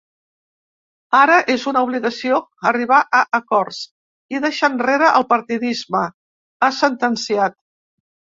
Ara és una obligació arribar a acords i deixar enrere el partidisme, ha sentenciat.